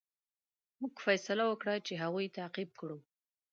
موږ فیصله وکړه چې هغوی تعقیب کړو.